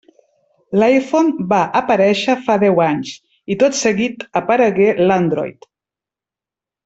L'iPhone va aparèixer fa deu anys, i tot seguit aparegué l'Android.